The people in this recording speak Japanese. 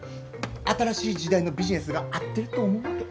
新しい時代のビジネスが合ってると思うわけ。